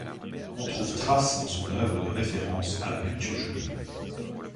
On trouve trace dans son œuvre de référence à la culture juive.